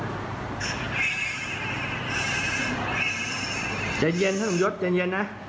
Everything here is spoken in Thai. เวลาเช็บแกนเย็นท่านสมหยศกันเย็นนะ